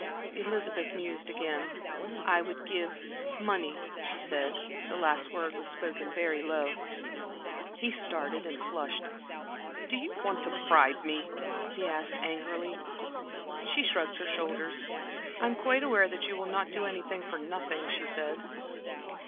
Elizabeth mused again. "I would give money," she said. The last word was spoken very low. He started and flushed. "Do you want to bribe me?" he asked, angrily. She shrugged her shoulders. "I am quite aware that you will not do anything for nothing," she said.